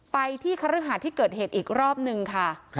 ไปที่คฤหาสที่เกิดเหตุอีกรอบนึงค่ะ